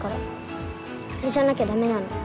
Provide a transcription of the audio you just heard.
あれじゃなきゃ駄目なの。